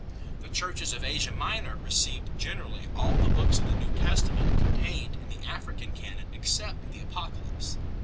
The Churches of Asia Minor received generally all the books of the New Testament contained in the African canon except the Apocalypse.